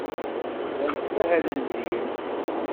Llan ttmahalen din.